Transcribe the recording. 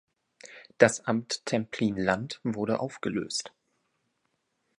Das Amt Templin-Land wurde aufgelöst.